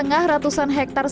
enggak ada sama sekali